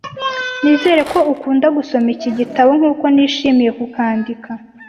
Nizere ko ukunda gusoma iki gitabo nkuko nishimiye kukandika.